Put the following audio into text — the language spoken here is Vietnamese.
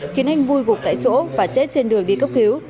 khiến anh vui gục tại chỗ và chết trên đường đi cấp cứu